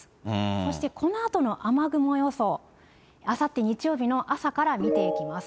そしてこのあとの雨雲予想、あさって日曜日の朝から見ていきます。